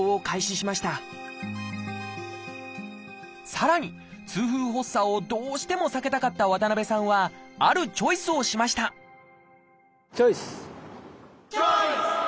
さらに痛風発作をどうしても避けたかった渡さんはあるチョイスをしましたチョイス！